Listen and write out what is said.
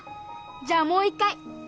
じゃあもう１回。